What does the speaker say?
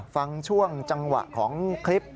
ฟังช่วงจังหวะของคลิป